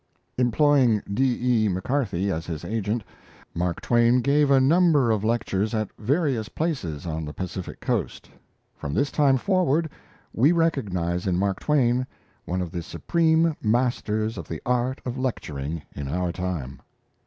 Employing D. E. McCarthy as his agent, Mark gave a number of lectures at various places on the Pacific Coast. From this time forward we recognize in Mark Twain one of the supreme masters of the art of lecturing in our time.